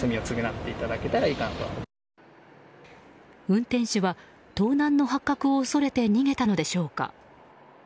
運転手は盗難の発覚を恐れて逃げたのでしょうか。